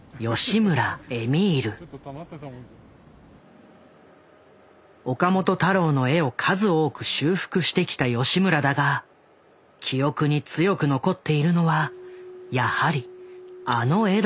家岡本太郎の絵を数多く修復してきた吉村だが記憶に強く残っているのはやはりあの絵だという。